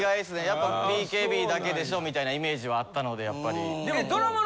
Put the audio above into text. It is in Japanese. やっぱ「ＢＫＢだけでしょ」みたいなイメージはあったのでやっぱり。